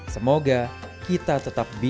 semoga kita tetap berhasil